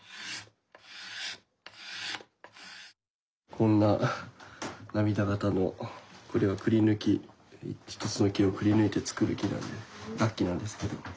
こんな涙形のこれはくりぬきひとつの木をくりぬいて作る楽器なんですけど。